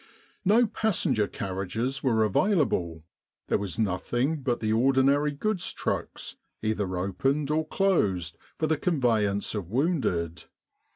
No passenger carriages were available; there was nothing but the ordinary goods trucks, either opened or closed, for the conveyance of wounded.